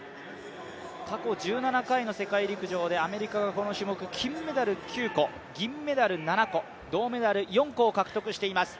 過去１７回の世界陸上でアメリカがこの種目、金メダル９個、銀メダル７個、銅メダル４個を獲得しています。